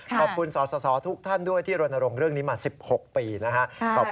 ขอบคุณสสทุกท่านด้วยที่รณรงค์เรื่องนี้มา๑๖ปีนะครับ